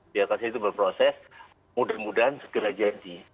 biarkan saja itu berproses mudah mudahan segera jadi